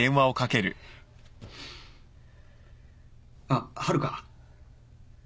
あっはるか？